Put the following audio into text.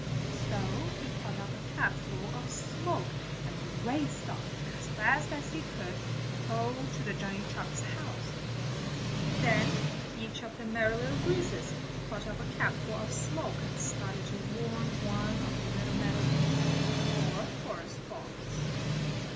So he caught up a capful of smoke and raced off as fast as he could go to Johnny Chuck's house. Then each of the Merry Little Breezes caught up a capful of smoke and started to warn one of the little meadow people or forest folks.